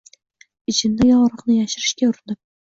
Ichimdagi og’riqni yashirishga urinib.